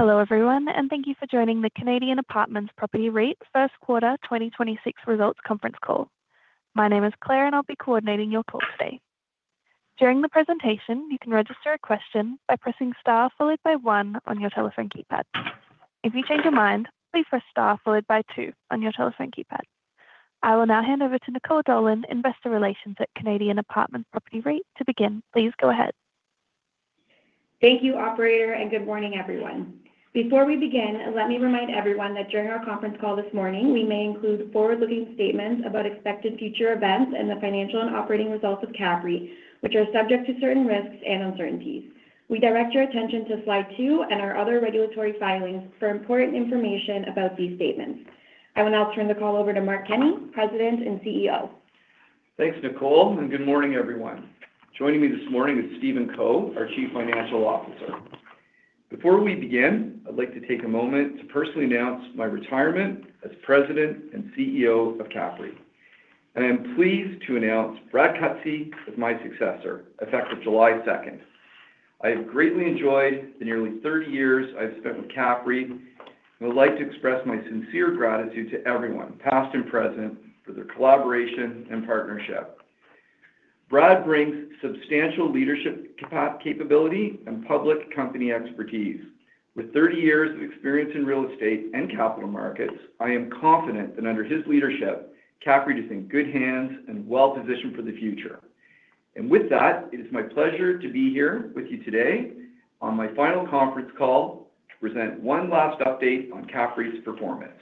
Hello everyone, and thank you for joining the Canadian Apartment Properties REIT First Quarter 2026 Results Conference Call. My name is Claire, and I'll be coordinating your call today. During the presentation, you can register a question by pressing star followed by one on your telephone keypad. If you change your mind, please press star followed by two on your telephone keypad. I will now hand over to Nicole Dolan, Investor Relations at Canadian Apartment Properties REIT to begin. Please go ahead. Thank you, operator, and good morning, everyone. Before we begin, let me remind everyone that during our conference call this morning, we may include forward-looking statements about expected future events and the financial and operating results of CAPREIT, which are subject to certain risks and uncertainties. We direct your attention to slide 2 and our other regulatory filings for important information about these statements. I will now turn the call over to Mark Kenney, President and CEO. Thanks, Nicole, and good morning, everyone. Joining me this morning is Stephen Co, our Chief Financial Officer. Before we begin, I'd like to take a moment to personally announce my retirement as President and CEO of CAPREIT. I am pleased to announce Brad Cutsey as my successor, effective July 2nd. I have greatly enjoyed the nearly 30 years I've spent with CAPREIT and would like to express my sincere gratitude to everyone, past and present, for their collaboration and partnership. Brad brings substantial leadership capability and public company expertise. With 30 years of experience in real estate and capital markets, I am confident that under his leadership, CAPREIT is in good hands and well-positioned for the future. With that, it is my pleasure to be here with you today on my final conference call to present one last update on CAPREIT's performance.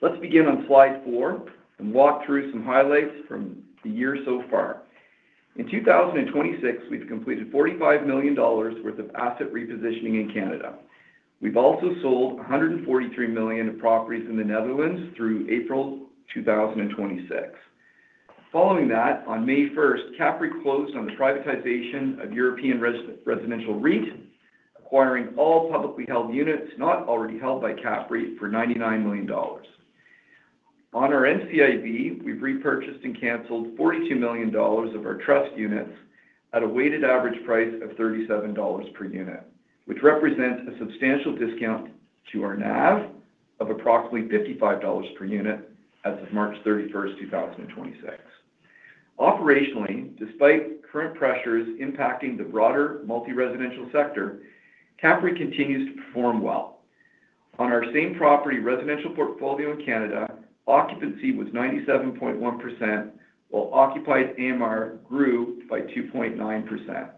Let's begin on slide four and walk through some highlights from the year so far. In 2026, we've completed 45 million dollars worth of asset repositioning in Canada. We've also sold 143 million of properties in the Netherlands through April 2026. Following that, on May 1st, CAPREIT closed on the privatization of European Residential REIT, acquiring all publicly held units not already held by CAPREIT for 99 million dollars. On our NCIB, we've repurchased and canceled 42 million dollars of our trust units at a weighted average price of 37 dollars per unit, which represents a substantial discount to our NAV of approximately 55 dollars per unit as of March 31st, 2026. Operationally, despite current pressures impacting the broader multi-residential sector, CAPREIT continues to perform well. On our same property residential portfolio in Canada, occupancy was 97.1%, while occupied AMR grew by 2.9%.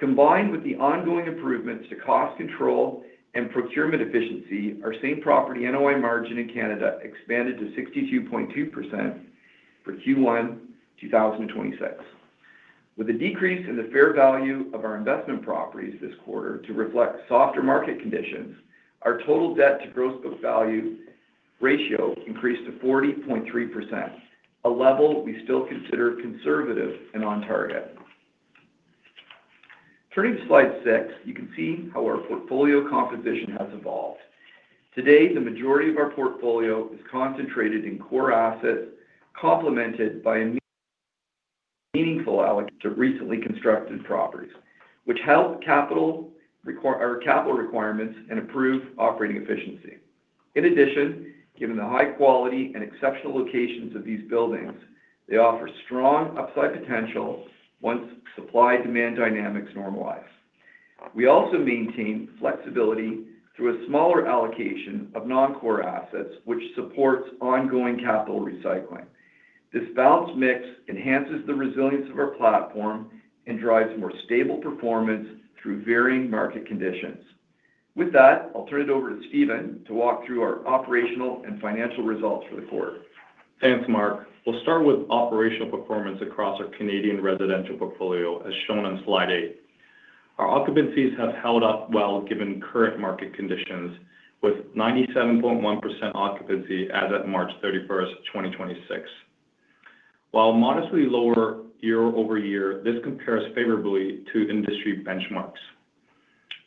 Combined with the ongoing improvements to cost control and procurement efficiency, our same property NOI margin in Canada expanded to 62.2% for Q1 2026. With a decrease in the fair value of our investment properties this quarter to reflect softer market conditions, our total debt to gross book value ratio increased to 40.3%, a level we still consider conservative and on target. Turning to slide six, you can see how our portfolio composition has evolved. Today, the majority of our portfolio is concentrated in core assets, complemented by a meaningful allocation to recently constructed properties, which help capital requirements and improve operating efficiency. In addition, given the high quality and exceptional locations of these buildings, they offer strong upside potential once supply-demand dynamics normalize. We also maintain flexibility through a smaller allocation of non-core assets, which supports ongoing capital recycling. This balanced mix enhances the resilience of our platform and drives more stable performance through varying market conditions. With that, I'll turn it over to Stephen to walk through our operational and financial results for the quarter. Thanks, Mark. We'll start with operational performance across our Canadian residential portfolio as shown on slide eight. Our occupancies have held up well given current market conditions with 97.1% occupancy as of March 31st, 2026. While modestly lower year-over-year, this compares favorably to industry benchmarks.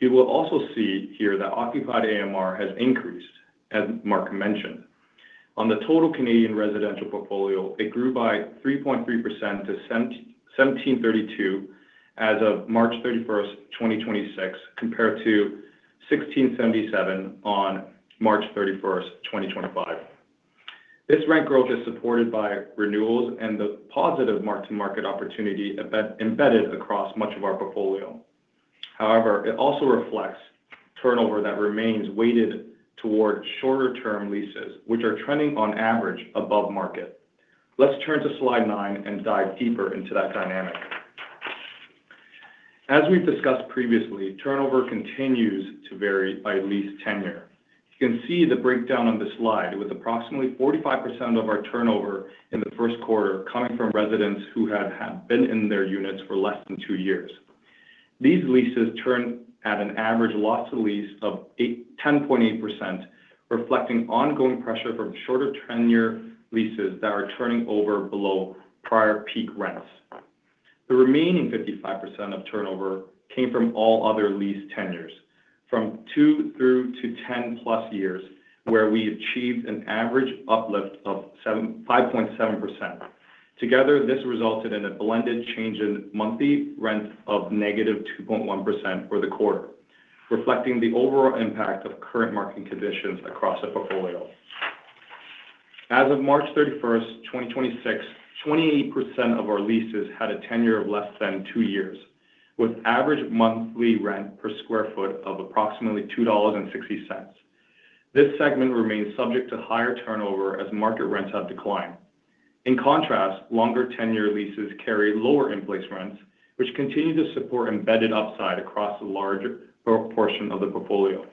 You will also see here that occupied AMR has increased, as Mark mentioned. On the total Canadian residential portfolio, it grew by 3.3% to 1,732 as of March 31st, 2026, compared to 1,677 on March 31st, 2025. This rent growth is supported by renewals and the positive mark-to-market opportunity embedded across much of our portfolio. However, it also reflects turnover that remains weighted towards shorter-term leases, which are trending on average above market. Let's turn to slide nine and dive deeper into that dynamic. As we've discussed previously, turnover continues to vary by lease tenure. You can see the breakdown on the slide with approximately 45% of our turnover in the first quarter coming from residents who have been in their units for less than two years. These leases turn at an average loss to lease of 10.8%, reflecting ongoing pressure from shorter tenure leases that are turning over below prior peak rents. The remaining 55% of turnover came from all other lease tenures from two through to 10+ years, where we achieved an average uplift of 5.7%. Together, this resulted in a blended change in monthly rent of -2.1% for the quarter, reflecting the overall impact of current market conditions across the portfolio. As of March 31st, 2026, 28% of our leases had a tenure of less than two years, with average monthly rent per square foot of approximately 2.60 dollars. This segment remains subject to higher turnover as market rents have declined. In contrast, longer tenure leases carry lower in-place rents, which continue to support embedded upside across a large portion of the portfolio.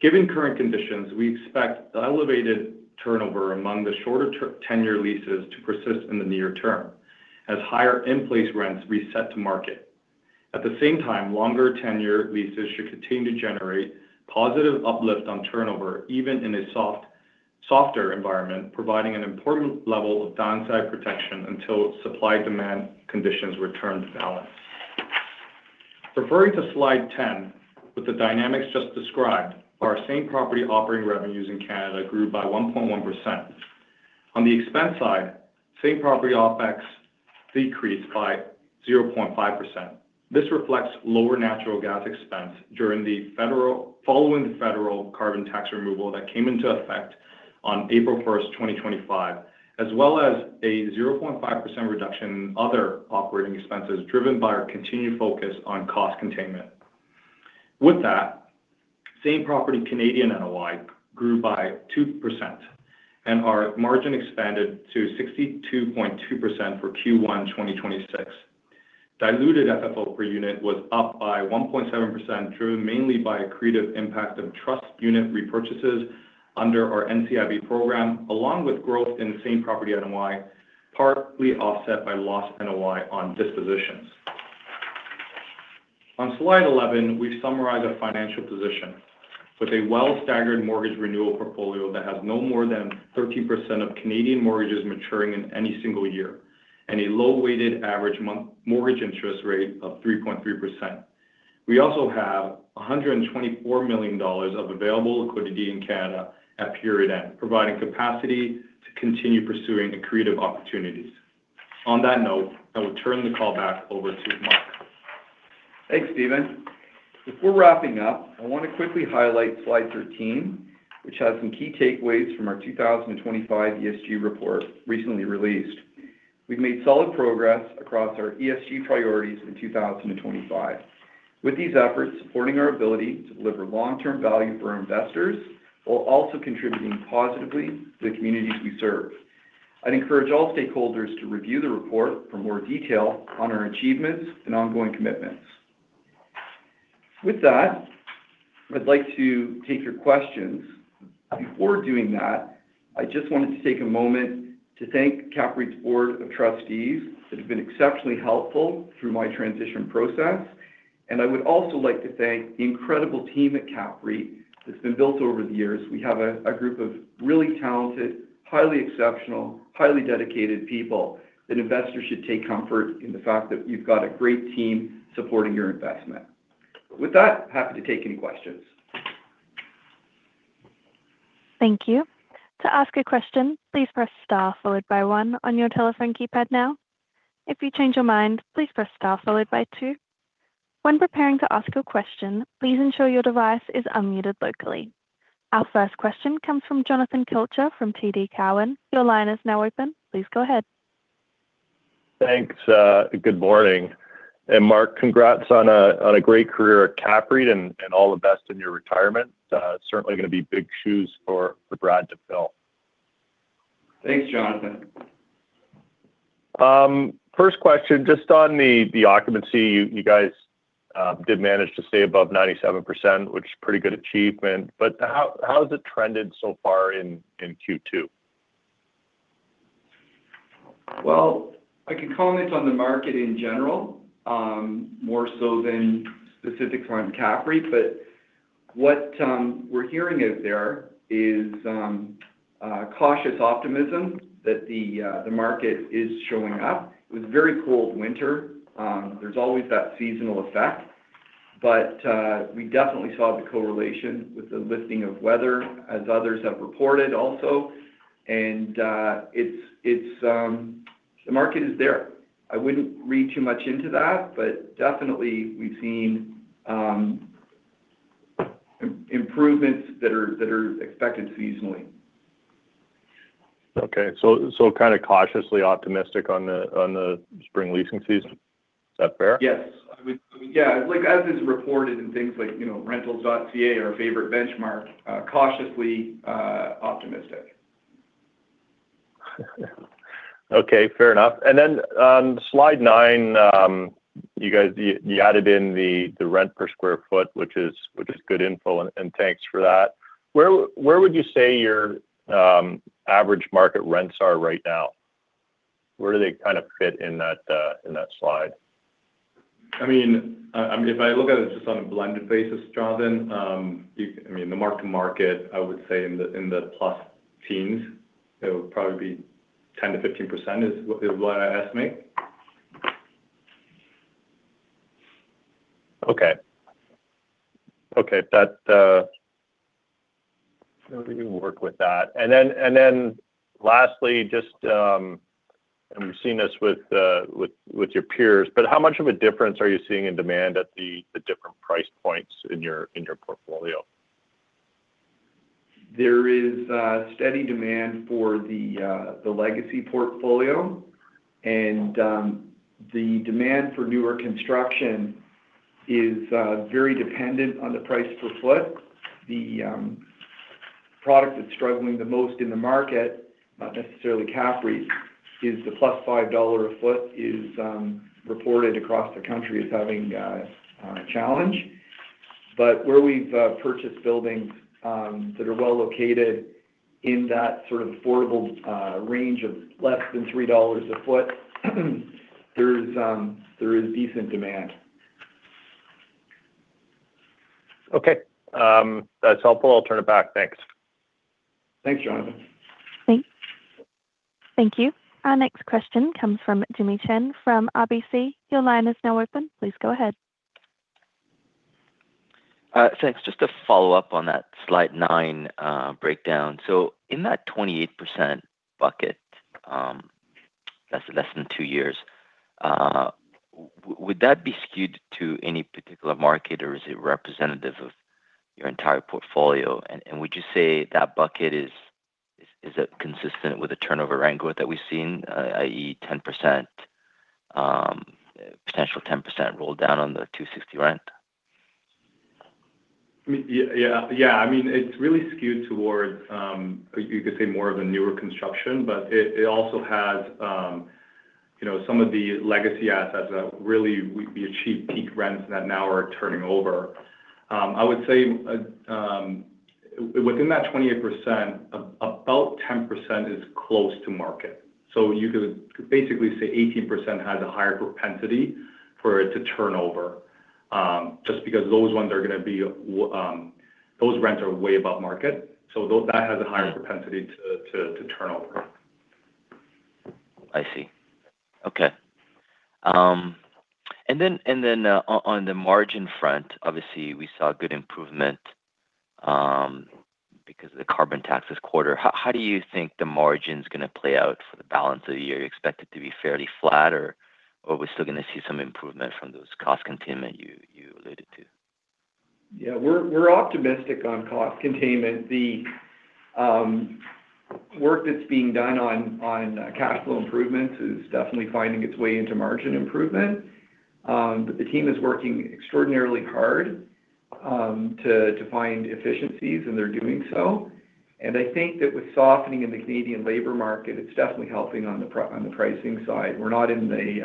Given current conditions, we expect the elevated turnover among the shorter tenure leases to persist in the near-term as higher in-place rents reset to market. At the same time, longer tenure leases should continue to generate positive uplift on turnover even in a softer environment, providing an important level of downside protection until supply-demand conditions return to balance. Referring to slide 10, with the dynamics just described, our same-property operating revenues in Canada grew by 1.1%. On the expense side, same property OpEx decreased by 0.5%. This reflects lower natural gas expense following the federal carbon tax removal that came into effect on April 1st, 2025, as well as a 0.5% reduction in other operating expenses driven by our continued focus on cost containment. Same property Canadian NOI grew by 2%, and our margin expanded to 62.2% for Q1 2026. Diluted FFO per unit was up by 1.7%, driven mainly by accretive impact of trust unit repurchases under our NCIB program, along with growth in same property NOI, partly offset by lost NOI on dispositions. On slide 11, we've summarized our financial position. With a well-staggered mortgage renewal portfolio that has no more than 13% of Canadian mortgages maturing in any single year and a low-weighted average non-mortgage interest rate of 3.3%. We also have 124 million dollars of available liquidity in Canada at period end, providing capacity to continue pursuing accretive opportunities. On that note, I will turn the call back over to Mark. Thanks, Stephen. Before wrapping up, I wanna quickly highlight slide 13, which has some key takeaways from our 2025 ESG report, recently released. We've made solid progress across our ESG priorities in 2025. With these efforts supporting our ability to deliver long-term value for our investors while also contributing positively to the communities we serve. I'd encourage all stakeholders to review the report for more detail on our achievements and ongoing commitments. With that, I'd like to take your questions. Before doing that, I just wanted to take a moment to thank CAPREIT's board of trustees that have been exceptionally helpful through my transition process, and I would also like to thank the incredible team at CAPREIT that's been built over the years. We have a group of really talented, highly exceptional, highly dedicated people that investors should take comfort in the fact that you've got a great team supporting your investment. With that, happy to take any questions. Thank you. Our first question comes from Jonathan Kelcher from TD Cowen. Please go ahead. Thanks. Good morning. Mark, congrats on a great career at CAPREIT and all the best in your retirement. Certainly gonna be big shoes for Brad to fill. Thanks, Jonathan. First question, just on the occupancy. You guys did manage to stay above 97%, which is a pretty good achievement. How has it trended so far in Q2? Well, I can comment on the market in general, more so than specifics on CAPREIT. What we're hearing out there is cautious optimism that the market is showing up. It was a very cold winter. There's always that seasonal effect. We definitely saw the correlation with the lifting of weather, as others have reported also. The market is there. I wouldn't read too much into that, but definitely we've seen improvements that are expected seasonally. Okay. Kind of cautiously optimistic on the spring leasing season. Is that fair? Yes. Yeah, like as is reported in things like, you know, rentals.ca, our favorite benchmark, cautiously optimistic. Okay, fair enough. Then on slide nine, you guys, you added in the rent per square foot, which is good info, and thanks for that. Where would you say your average market rents are right now? Where do they kind of fit in that in that slide? I mean, I mean, if I look at it just on a blended basis, Jonathan, I mean, the mark-to-market, I would say in the, in the plus teens. It would probably be 10%-15% is what I estimate. Okay. Okay, that, we can work with that. Lastly, just, we've seen this with your peers, but how much of a difference are you seeing in demand at the different price points in your portfolio? There is steady demand for the legacy portfolio, and the demand for newer construction is very dependent on the price per foot. The product that's struggling the most in the market, not necessarily CAPREIT, is the plus 5 dollars a foot is reported across the country as having a challenge. Where we've purchased buildings that are well located in that sort of affordable range of less than CAD 3 a foot, there's there is decent demand. That's helpful. I'll turn it back. Thanks. Thanks, Jonathan. Thanks. Thank you. Our next question comes from Jimmy Shan from RBC. Your line is now open. Please go ahead. Thanks. Just to follow up on that slide 9 breakdown. In that 28% bucket, that's less than two years, would that be skewed to any particular market or is it representative of your entire portfolio? Would you say that bucket is consistent with the turnover angle that we've seen, i.e. 10%, potential 10% rolled down on the 260 rent? I mean, yeah. I mean, it's really skewed towards, you could say more of a newer construction, but it also has, you know, some of the legacy assets that really we achieved peak rents that now are turning over. I would say, within that 28%, about 10% is close to market. So you could basically say 18% has a higher propensity for it to turn over, just because those ones are gonna be, those rents are way above market. So that has a higher propensity to turn over. I see. Okay. On the margin front, obviously we saw good improvement, because of the carbon taxes quarter. How do you think the margin's gonna play out for the balance of the year? You expect it to be fairly flat or we're still gonna see some improvement from those cost containment you alluded to? We're optimistic on cost containment. The work that's being done on capital improvements is definitely finding its way into margin improvement. The team is working extraordinarily hard to find efficiencies, and they're doing so. I think that with softening in the Canadian labor market, it's definitely helping on the pricing side. We're not in the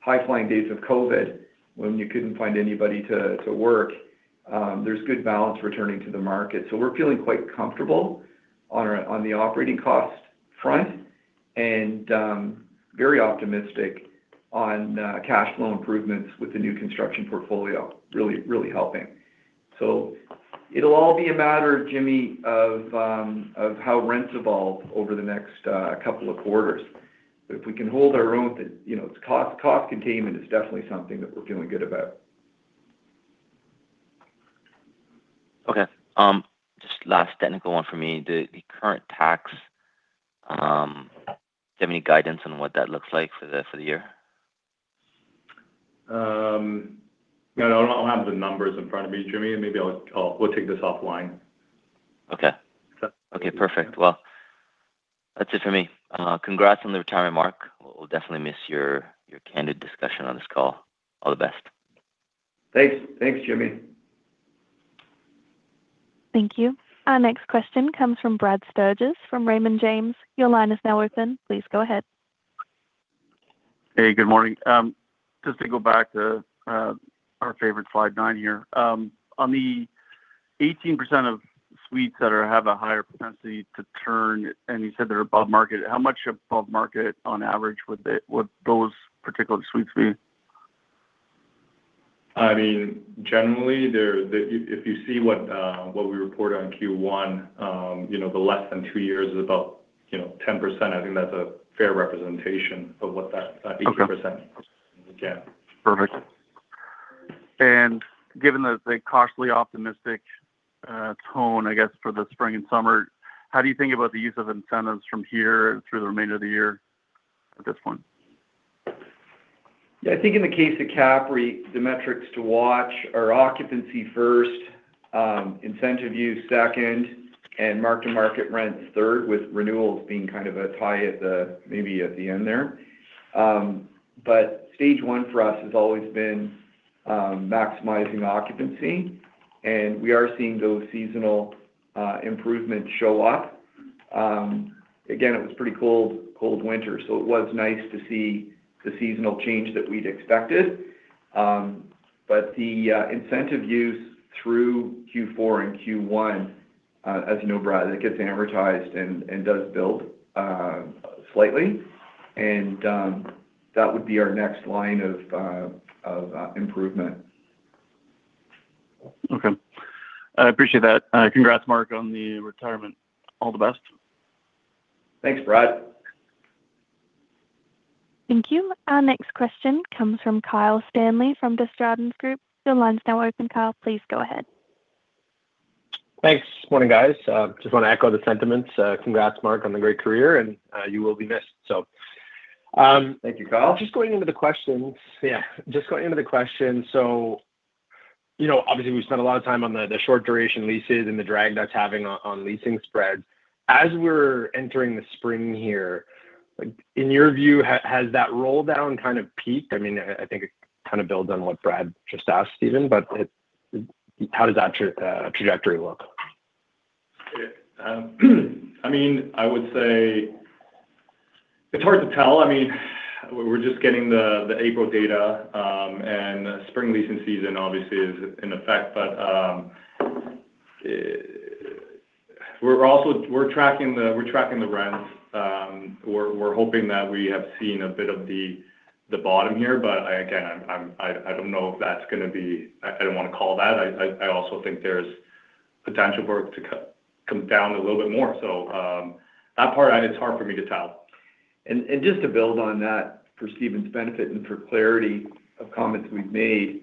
high-flying days of COVID when you couldn't find anybody to work. There's good balance returning to the market. We're feeling quite comfortable on the operating cost front and very optimistic on cash flow improvements with the new construction portfolio really helping. It'll all be a matter, Jimmy, of how rents evolve over the next couple of quarters. If we can hold our own to, you know, it's cost containment is definitely something that we're feeling good about. Okay. Just last technical one for me. The current tax, do you have any guidance on what that looks like for the year? No, I don't have the numbers in front of me, Jimmy. Maybe I'll call. We'll take this offline. Okay. Perfect. That's it for me. Congrats on the retirement, Mark. We'll definitely miss your candid discussion on this call. All the best. Thanks. Thanks, Jimmy. Thank you. Our next question comes from Brad Sturges from Raymond James. Your line is now open. Please go ahead. Hey, good morning. Just to go back to our favorite slide nine here. On the 18% of suites that have a higher propensity to turn, and you said they're above market, how much above market on average would those particular suites be? I mean, generally, if you see what we report on Q1, you know, the less than two years is about, you know, 10%. I think that's a fair representation of what that. Okay that 18% again. Perfect. Given the cautiously optimistic tone, I guess, for the spring and summer, how do you think about the use of incentives from here through the remainder of the year at this point? Yeah. I think in the case of CAPREIT, the metrics to watch are occupancy first, incentive use second, and mark-to-market rents third, with renewals being kind of a tie at the maybe at the end there. Stage one for us has always been maximizing occupancy, and we are seeing those seasonal improvements show up. Again, it was pretty cold winter, so it was nice to see the seasonal change that we'd expected. The incentive use through Q4 and Q1, as you know, Brad, it gets advertised and does build slightly. That would be our next line of improvement. Okay. I appreciate that. Congrats, Mark, on the retirement. All the best. Thanks, Brad. Thank you. Our next question comes from Kyle Stanley from Desjardins Group. Your line's now open, Kyle. Please go ahead. Thanks. Morning, guys. Just wanna echo the sentiments. Congrats, Mark, on the great career, and you will be missed. Thank you, Kyle. Just going into the questions. Yeah, you know, obviously we've spent a lot of time on the short duration leases and the drag that's having on leasing spreads. As we're entering the spring here, like, in your view, has that roll down kind of peaked? I mean, I think it kind of builds on what Brad just asked Stephen, but how does that trajectory look? It, I mean, I would say it's hard to tell. I mean, we're just getting the April data, spring leasing season obviously is in effect. We're tracking the rents. We're hoping that we have seen a bit of the bottom here, but again, I don't wanna call that. I also think there's potential for it to come down a little bit more. That part, and it's hard for me to tell. Just to build on that for Stephen's benefit and for clarity of comments we've made.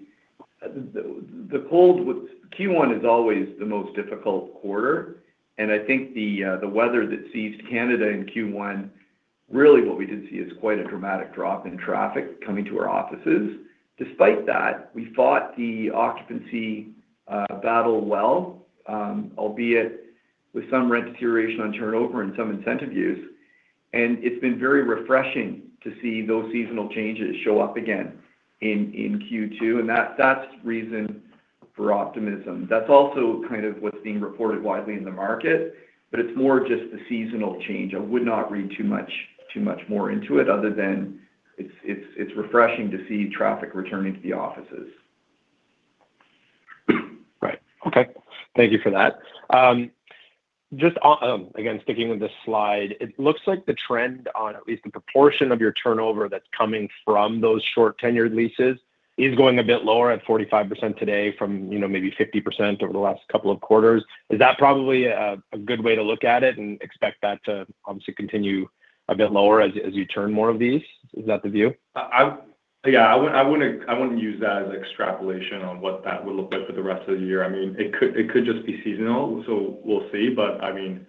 The cold with-- Q1 is always the most difficult quarter, and I think the weather that seized Canada in Q1, really what we did see is quite a dramatic drop in traffic coming to our offices. Despite that, we fought the occupancy battle well, albeit with some rent deterioration on turnover and some incentive use, and it's been very refreshing to see those seasonal changes show up again in Q2, and that's reason for optimism. That's also kind of what's being reported widely in the market, but it's more just the seasonal change. I would not read too much more into it other than it's refreshing to see traffic returning to the offices. Right. Okay. Thank you for that. Just on, again, sticking with this slide, it looks like the trend on at least the proportion of your turnover that's coming from those short tenured leases is going a bit lower at 45% today from, you know, maybe 50% over the last couple of quarters. Is that probably a good way to look at it and expect that to obviously continue a bit lower as you turn more of these? Is that the view? Yeah, I wouldn't use that as extrapolation on what that will look like for the rest of the year. I mean, it could just be seasonal, so we'll see. I mean,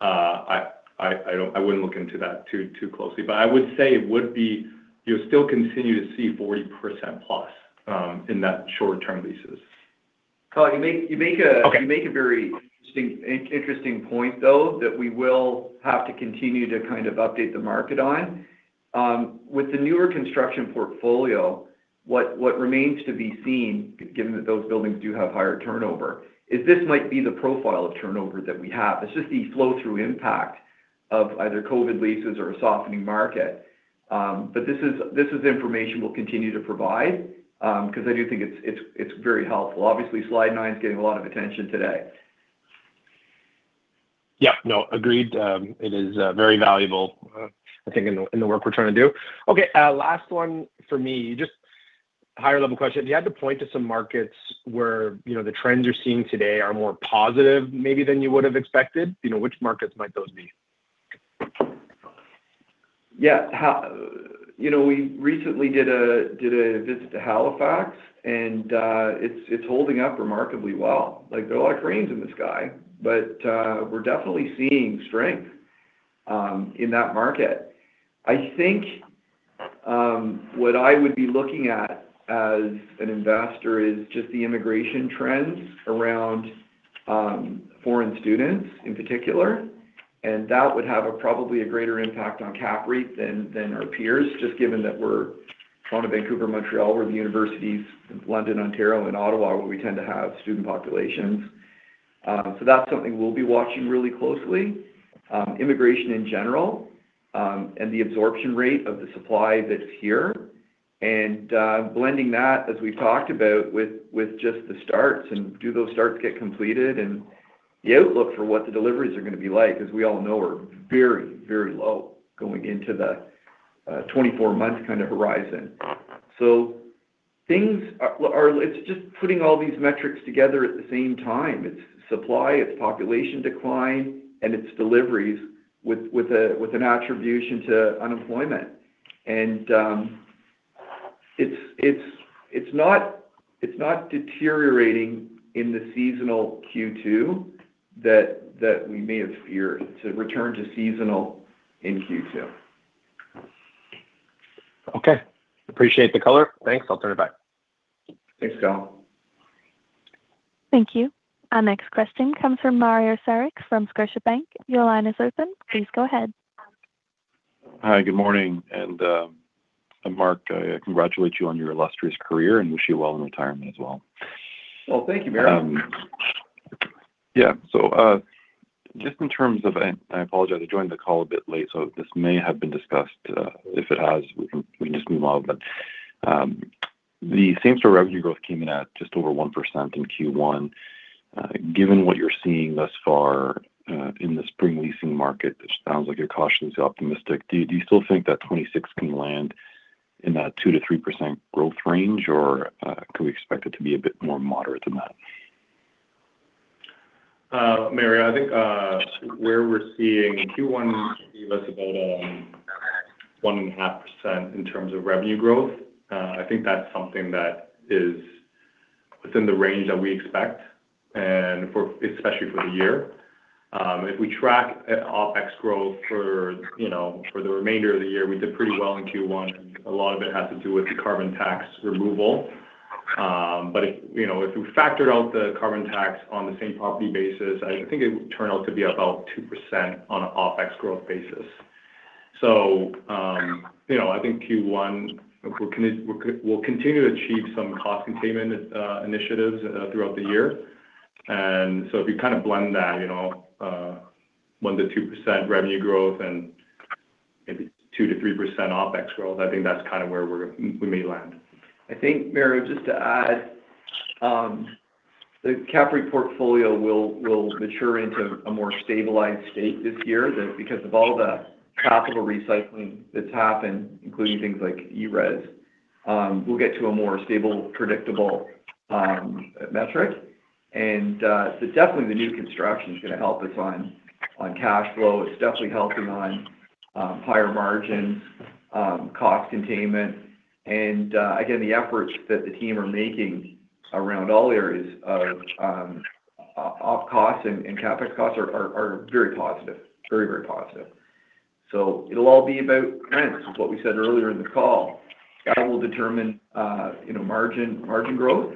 I wouldn't look into that too closely. I would say it would be you'll still continue to see 40%+ in that short-term leases. Kyle, you make. Okay You make a very interesting point, though, that we will have to continue to kind of update the market on. With the newer construction portfolio, what remains to be seen, given that those buildings do have higher turnover, is this might be the profile of turnover that we have. It's just the flow-through impact of either COVID leases or a softening market. This is information we'll continue to provide, 'cause I do think it's very helpful. Obviously, slide nine is getting a lot of attention today. Yeah, no, agreed. It is very valuable, I think in the, in the work we're trying to do. Okay, last one for me. Just higher level question. If you had to point to some markets where, you know, the trends you're seeing today are more positive maybe than you would have expected, you know, which markets might those be? Yeah. You know, we recently did a visit to Halifax, it's holding up remarkably well. Like, there are a lot of cranes in the sky, we're definitely seeing strength in that market. I think, what I would be looking at as an investor is just the immigration trends around foreign students in particular, that would have a probably a greater impact on CAPREIT than our peers, just given that we're Toronto, Vancouver, Montreal. We're the universities in London, Ontario, and Ottawa, where we tend to have student populations. That's something we'll be watching really closely. Immigration in general, the absorption rate of the supply that's here. Blending that, as we've talked about with just the starts, do those starts get completed? The outlook for what the deliveries are gonna be like, as we all know, are very low going into the 24-month kind of horizon. Things are. It's just putting all these metrics together at the same time. It's supply, it's population decline, and it's deliveries with a, with an attribution to unemployment. It's not deteriorating in the seasonal Q2 that we may have feared to return to seasonal in Q2. Okay. Appreciate the color. Thanks. I'll turn it back. Thanks, Kyle. Thank you. Our next question comes from Mario Saric from Scotiabank. Your line is open. Please go ahead. Hi, good morning. Mark, I congratulate you on your illustrious career and wish you well in retirement as well. Well, thank you, Mario. Yeah. Just in terms of. I apologize, I joined the call a bit late, so this may have been discussed. If it has, we can just move on. The same-store revenue growth came in at just over 1% in Q1. Given what you're seeing thus far, in the spring leasing market, it sounds like you're cautiously optimistic. Do you still think that 2026 can land in that 2%-3% growth range, or could we expect it to be a bit more moderate than that? Mario, I think, where we're seeing Q1 be less about 1.5% in terms of revenue growth. I think that's something that is within the range that we expect and especially for the year. If we track OpEx growth for, you know, for the remainder of the year, we did pretty well in Q1. A lot of it has to do with the carbon tax removal. If, you know, if we factored out the carbon tax on the same property basis, I think it would turn out to be about 2% on a OpEx growth basis. You know, I think Q1, if we'll continue to achieve some cost containment initiatives throughout the year. If you kind of blend that, you know, 1%-2% revenue growth and maybe 2%-3% OPEX growth, I think that's kind of where we're, we may land. I think, Mario, just to add, the CAPREIT portfolio will mature into a more stabilized state this year than because of all the capital recycling that's happened, including things like ERES. We'll get to a more stable, predictable metric. So definitely the new construction is gonna help us on cash flow. It's definitely helping on higher margins, cost containment. Again, the efforts that the team are making around all areas of OpEx costs and CapEx costs are very positive. Very positive. It'll all be about rents, what we said earlier in the call. That will determine, you know, margin growth.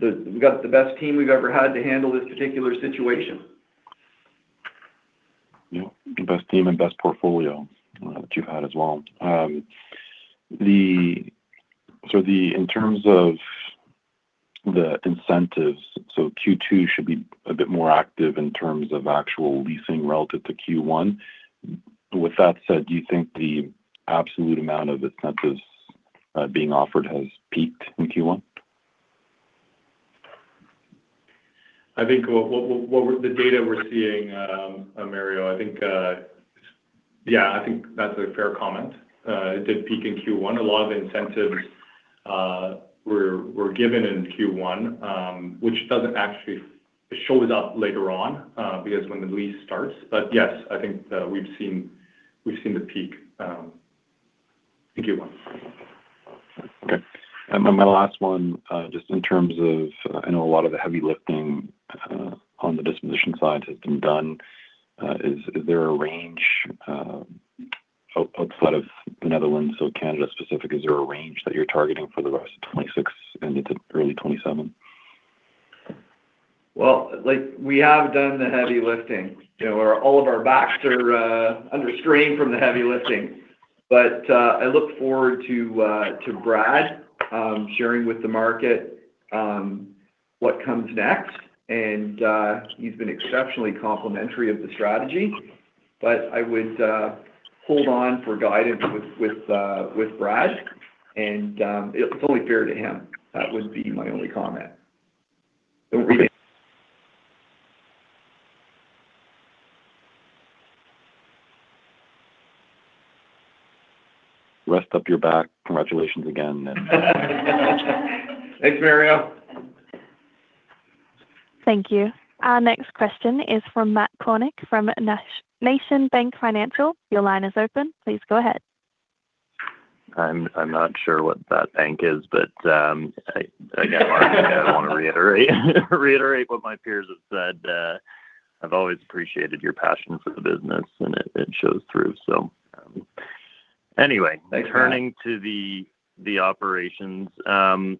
We've got the best team we've ever had to handle this particular situation. Yeah. Best team and best portfolio that you've had as well. In terms of the incentives, Q2 should be a bit more active in terms of actual leasing relative to Q1. With that said, do you think the absolute amount of incentives being offered has peaked in Q1? I think what the data we're seeing, Mario, I think, yeah, I think that's a fair comment. It did peak in Q1. A lot of the incentives were given in Q1, which doesn't actually show it up later on, because when the lease starts. Yes, I think we've seen the peak in Q1. Okay. My, my last one, just in terms of, I know a lot of the heavy lifting, on the disposition side has been done. Is there a range, outside of Netherlands, so Canada specific, is there a range that you're targeting for the rest of 2026 into early 2027? Well, like, we have done the heavy lifting. You know, all of our backs are under strain from the heavy lifting. I look forward to to Brad sharing with the market what comes next. He's been exceptionally complimentary of the strategy. I would hold on for guidance with Brad, and it's only fair to him. That would be my only comment. Over to you. Rest up your back. Congratulations again. Thanks, Mario. Thank you. Our next question is from Matt Kornack from National Bank Financial. Your line is open. Please go ahead. I'm not sure what that bank is, but Mark, I wanna reiterate what my peers have said. I've always appreciated your passion for the business, and it shows through. Thanks, Matt. Turning to the operations, on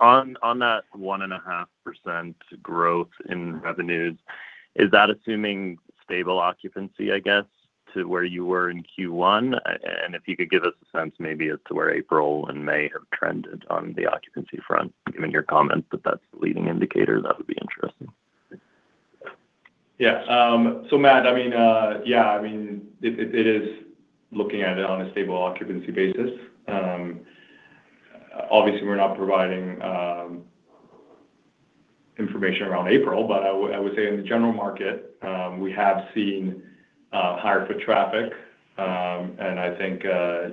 that 1.5% growth in revenues, is that assuming stable occupancy, I guess, to where you were in Q1? If you could give us a sense maybe as to where April and May have trended on the occupancy front, given your comments that that's the leading indicator, that would be interesting. Yeah. Matt, I mean, yeah, I mean, it is looking at it on a stable occupancy basis. Obviously, we're not providing information around April, but I would say in the general market, we have seen higher foot traffic. And I think,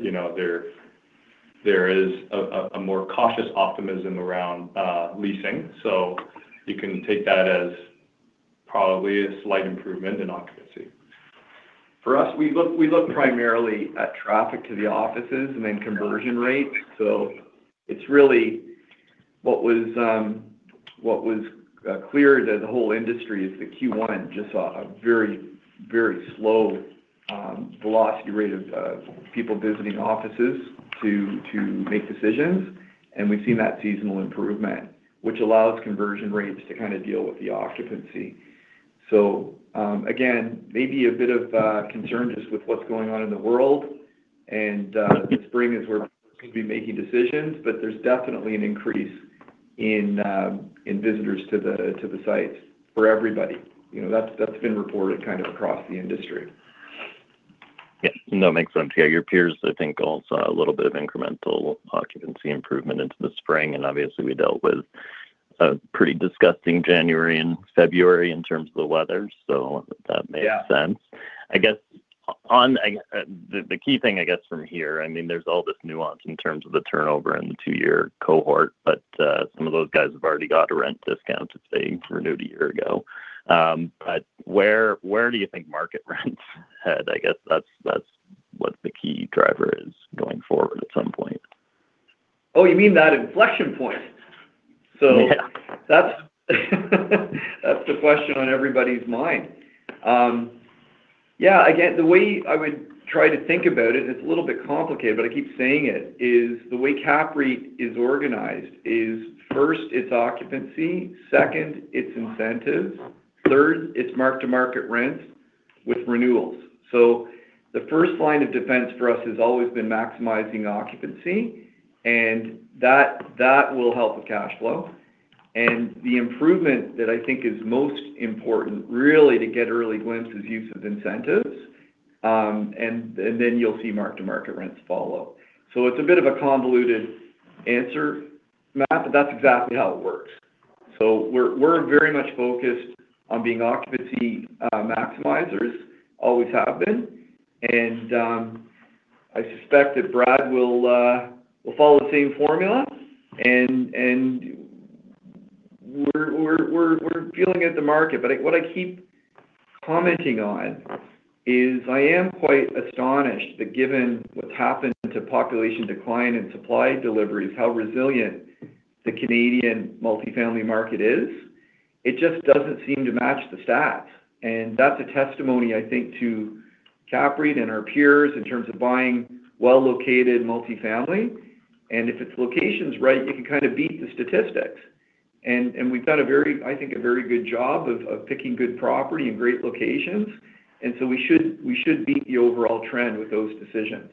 you know, there is a more cautious optimism around leasing. You can take that as probably a slight improvement in occupancy. For us, we look primarily at traffic to the offices and then conversion rates. It's really what was clear to the whole industry is that Q1 just saw a very, very slow velocity rate of people visiting offices to make decisions. We've seen that seasonal improvement, which allows conversion rates to kind of deal with the occupancy. Again, maybe a bit of a concern just with what's going on in the world. Spring is where people are going to be making decisions, but there's definitely an increase in visitors to the, to the sites for everybody. You know, that's been reported kind of across the industry. Yeah. No, makes sense. Yeah, your peers I think all saw a little bit of incremental occupancy improvement into the spring, and obviously we dealt with a pretty disgusting January and February in terms of the weather, so that makes sense. Yeah. The key thing I guess from here, I mean, there's all this nuance in terms of the turnover and the two-year cohort, some of those guys have already got a rent discount if they renewed a year ago. Where do you think market rents head? I guess that's what the key driver is going forward at some point. Oh, you mean that inflection point. Yeah. That's the question on everybody's mind. Yeah, again, the way I would try to think about it's a little bit complicated, I keep saying it, is the way CAPREIT is organized is first it's occupancy, second it's incentives, third it's mark-to-market rents with renewals. The first line of defense for us has always been maximizing occupancy, that will help with cash flow. The improvement that I think is most important really to get early glimpse is use of incentives, and then you'll see mark-to-market rents follow. It's a bit of a convoluted answer, Matt, that's exactly how it works. We're very much focused on being occupancy maximizers, always have been. I suspect that Brad will follow the same formula. And we're feeling at the market. What I keep commenting on is I am quite astonished that given what's happened to population decline and supply deliveries, how resilient the Canadian multifamily market is, it just doesn't seem to match the stats. That's a testimony, I think, to CAPREIT and our peers in terms of buying well-located multifamily. If its location's right, you can kind of beat the statistics. We've done a very, I think, a very good job of picking good property and great locations, we should beat the overall trend with those decisions.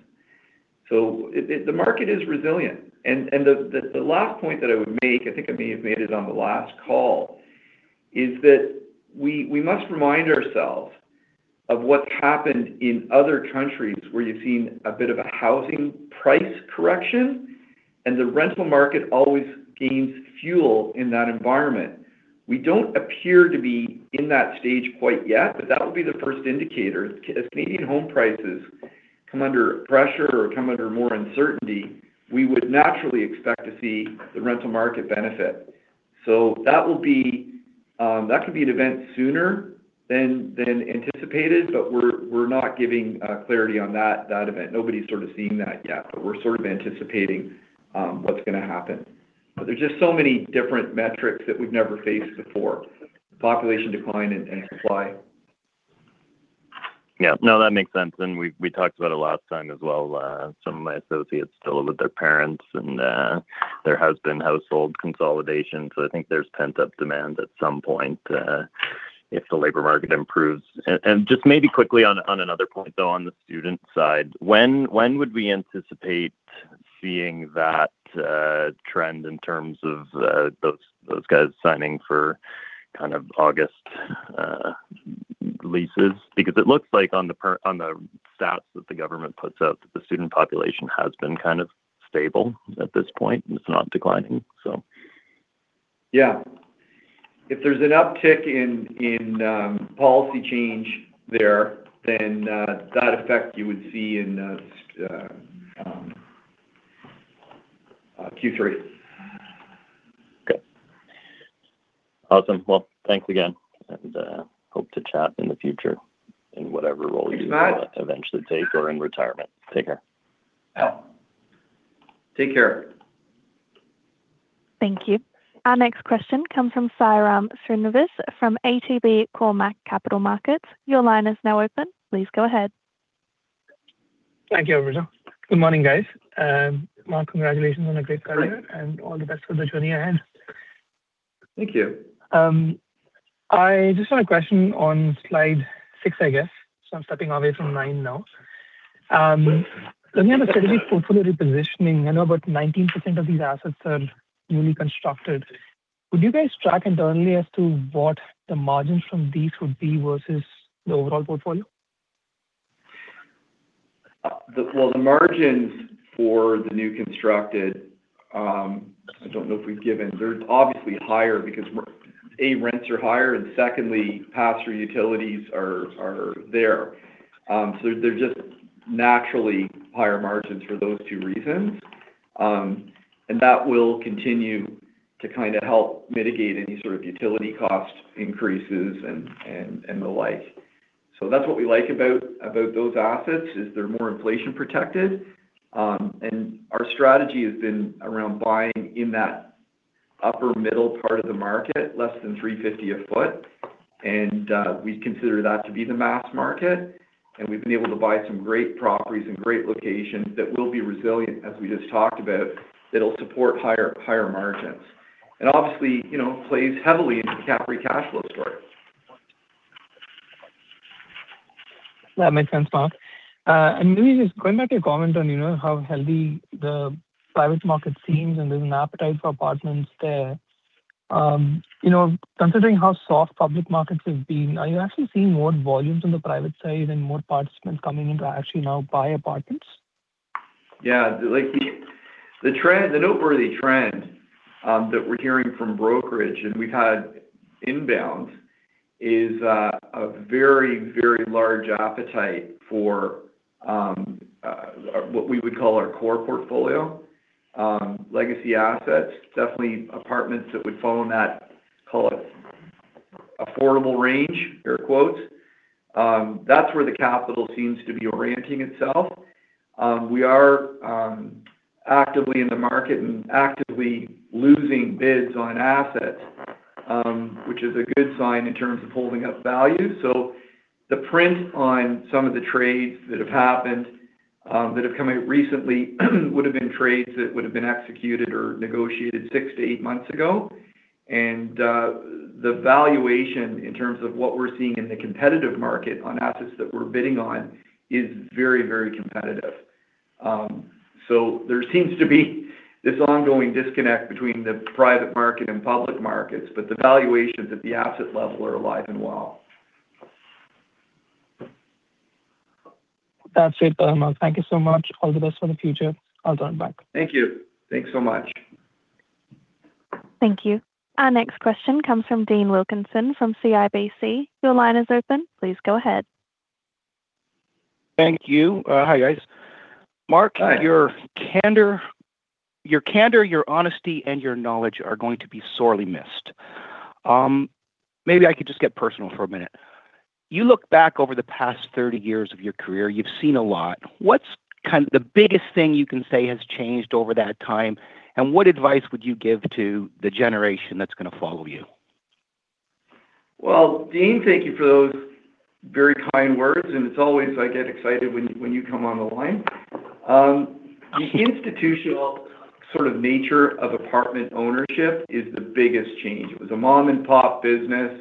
The market is resilient. The last point that I would make, I think I may have made it on the last call, is that we must remind ourselves of what's happened in other countries where you've seen a bit of a housing price correction and the rental market always gains fuel in that environment. We don't appear to be in that stage quite yet, but that will be the first indicator. If Canadian home prices come under pressure or come under more uncertainty, we would naturally expect to see the rental market benefit. That will be, that could be an event sooner than anticipated, but we're not giving clarity on that event. Nobody's sort of seen that yet, but we're sort of anticipating what's gonna happen. There's just so many different metrics that we've never faced before. Population decline and supply. Yeah. No, that makes sense. We talked about it last time as well. Some of my associates still live with their parents and there has been household consolidation. I think there's pent-up demand at some point if the labor market improves. Just maybe quickly on another point though, on the student side, when would we anticipate seeing that trend in terms of those guys signing for kind of August leases? Because it looks like on the stats that the government puts out that the student population has been kind of stable at this point, and it's not declining. Yeah. If there's an uptick in policy change there, then that effect you would see in Q3. Okay. Awesome. Well, thanks again. Hope to chat in the future in whatever role you-. Thanks, Matt eventually take or in retirement. Take care. Take care. Thank you. Our next question comes from Sairam Srinivas from ATB Cormark Capital Markets. Your line is now open. Please go ahead. Thank you, Marissa. Good morning, guys. Mark, congratulations on a great quarter. Hi All the best for the journey ahead. Thank you. I just had a question on slide six, I guess. I'm starting away from 9 now. Looking at the strategic portfolio repositioning, I know about 19% of these assets are newly constructed. Could you guys track internally as to what the margins from these would be versus the overall portfolio? Well, the margins for the new constructed, I don't know if we've given. They're obviously higher because one, rents are higher. Secondly, pass-through utilities are there. They're just naturally higher margins for those two reasons. That will continue to kind of help mitigate any sort of utility cost increases and the like. That's what we like about those assets, is they're more inflation protected. Our strategy has been around buying in that upper middle part of the market, less than 3.50 a foot. We consider that to be the mass market. We've been able to buy some great properties and great locations that will be resilient, as we just talked about, that'll support higher margins, and obviously, you know, plays heavily into the CAPREIT cash flow story. That makes sense, Mark. Maybe just going back to your comment on, you know, how healthy the private market seems and there's an appetite for apartments there. You know, considering how soft public markets have been, are you actually seeing more volumes on the private side and more participants coming in to actually now buy apartments? The trend, the noteworthy trend, that we're hearing from brokerage and we've had inbound is a very, very large appetite for what we would call our core portfolio, legacy assets. Definitely apartments that would fall in that, call it affordable range, air quotes. That's where the capital seems to be orienting itself. We are actively in the market and actively losing bids on assets, which is a good sign in terms of holding up value. The print on some of the trades that have happened that have come out recently would've been trades that would've been executed or negotiated six to eight months ago. The valuation in terms of what we're seeing in the competitive market on assets that we're bidding on is very, very competitive. There seems to be this ongoing disconnect between the private market and public markets, but the valuations at the asset level are alive and well. That's it, Mark. Thank you so much. All the best for the future. I'll turn back. Thank you. Thanks so much. Thank you. Our next question comes from Dean Wilkinson from CIBC. Your line is open. Please go ahead. Thank you. Hi guys. Hi. Mark, your candor, your honesty, and your knowledge are going to be sorely missed. Maybe I could just get personal for a minute. You look back over the past 30 years of your career, you've seen a lot. What's kind of the biggest thing you can say has changed over that time, and what advice would you give to the generation that's gonna follow you? Dean, thank you for those very kind words, and it's always I get excited when you come on the line. The institutional sort of nature of apartment ownership is the biggest change. It was a mom and pop business.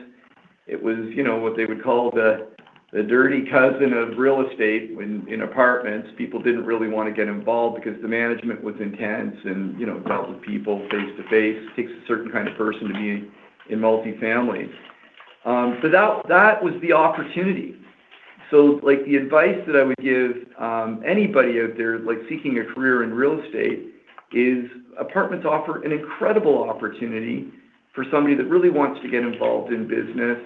It was, you know, what they would call the dirty cousin of real estate when in apartments people didn't really want to get involved because the management was intense and, you know, dealt with people face to face. Takes a certain kind of person to be in multi-family. That was the opportunity. Like the advice that I would give anybody out there like seeking a career in real estate is apartments offer an incredible opportunity for somebody that really wants to get involved in business.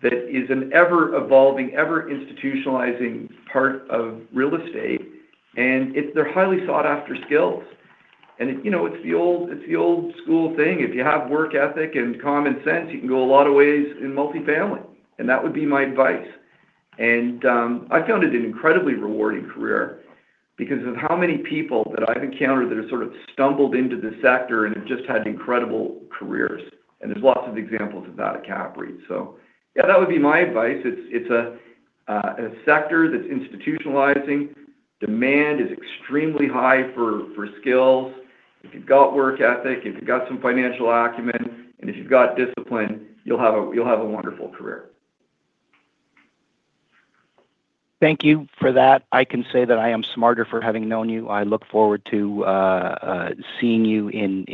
That is an ever evolving, ever institutionalizing part of real estate, and they're highly sought after skills. It, you know, it's the old school thing. If you have work ethic and common sense, you can go a lot of ways in multifamily, and that would be my advice. I found it an incredibly rewarding career because of how many people that I've encountered that have sort of stumbled into the sector and have just had incredible careers, and there's lots of examples of that at CAPREIT. Yeah, that would be my advice. It's a sector that's institutionalizing. Demand is extremely high for skills. If you've got work ethic, if you've got some financial acumen, and if you've got discipline, you'll have a wonderful career. Thank you for that. I can say that I am smarter for having known you. I look forward to seeing you in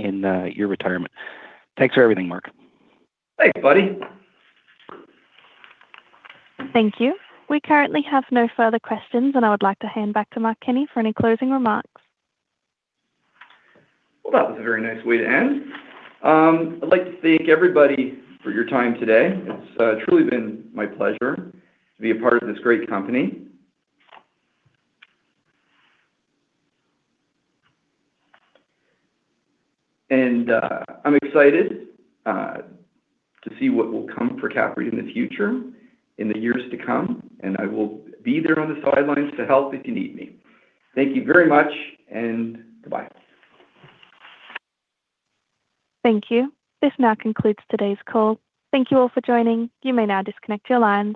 your retirement. Thanks for everything, Mark. Thanks, buddy. Thank you. We currently have no further questions. I would like to hand back to Mark Kenney for any closing remarks. That was a very nice way to end. I'd like to thank everybody for your time today. It's truly been my pleasure to be a part of this great company. I'm excited to see what will come for CAPREIT in the future, in the years to come, and I will be there on the sidelines to help if you need me. Thank you very much, and goodbye. Thank you. This now concludes today's call. Thank you all for joining. You may now disconnect your lines.